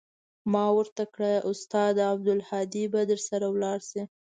ما ورته كړه استاده عبدالهادي به درسره ولاړ سي.